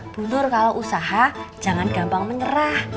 mundur kalau usaha jangan gampang menyerah